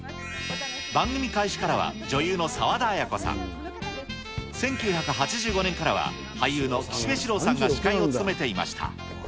番組開始からは女優の沢田亜矢子さん、１９８５年からは俳優の岸部シローさんが司会を務めていました。